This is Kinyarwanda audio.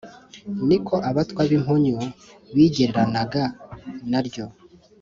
niko abatwa b’impunyu bigereranaga na ryo